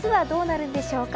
明日はどうなるんでしょうか。